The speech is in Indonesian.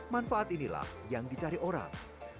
manfaat inilah yang dicari orang